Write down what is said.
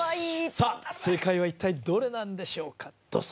さあ正解は一体どれなんでしょうかどうぞ